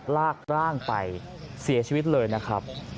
ลากร่างไปเสียชีวิตเลยนะครับ